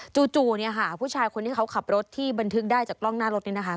จู่เนี่ยค่ะผู้ชายคนที่เขาขับรถที่บันทึกได้จากกล้องหน้ารถนี่นะคะ